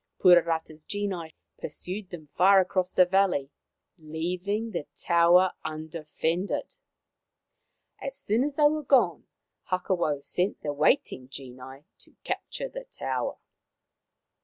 Puarata's genii pursued them far across the valley, leaving the tower undefended. As soon as they were gone Hakawau sent the waiting genii to capture the tower.